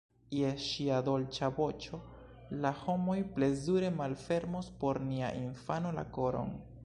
Je ŝia dolĉa voĉo la homoj plezure malfermos por nia infano la koron.